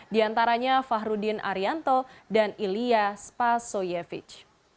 diantaranya fahruddin arianto dan ilya spasoyevic